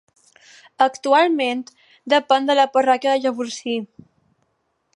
Actualment depèn de la parròquia de Llavorsí.